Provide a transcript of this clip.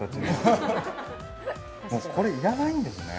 これ、いらないんですね。